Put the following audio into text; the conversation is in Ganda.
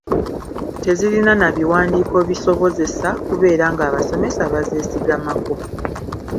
Tezirina na biwandiiko bizisobozesa kubeera ng’abasomesa bazeesigamako.